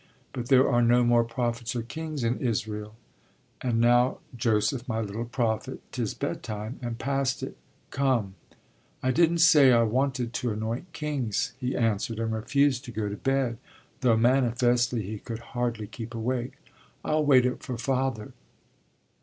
But there are no more prophets or kings in Israel. And now, Joseph, my little prophet, 'tis bedtime and past it. Come. I didn't say I wanted to anoint kings, he answered, and refused to go to bed, though manifestly he could hardly keep awake. I'll wait up for Father.